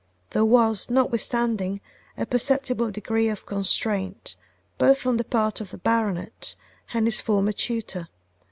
There was, notwithstanding, a perceptible degree of constraint both on the part of the baronet and his former tutor.